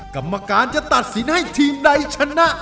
กรรมการจะตัดสินให้ทีมใดชนะ